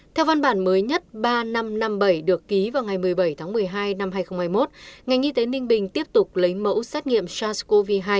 theo văn bản mới nhất ba nghìn năm trăm năm mươi bảy được ký vào ngày một mươi bảy tháng một mươi hai năm hai nghìn hai mươi một ngành y tế ninh bình tiếp tục lấy mẫu xét nghiệm sars cov hai